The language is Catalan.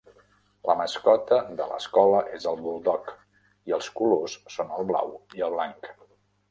La mascota de l'escola és el Bulldog, i els colors són el blau i el blanc.